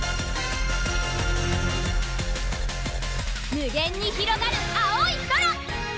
無限にひろがる青い空！